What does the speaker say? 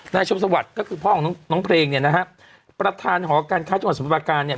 นายชมสวัสดิ์ก็คือพ่อของน้องเพลงเนี่ยนะฮะประธานหอการค้าจังหวัดสมุทราการเนี่ย